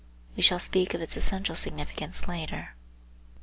We shall speak of its essential significance later.